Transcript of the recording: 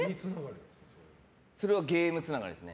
それはゲームつながりです。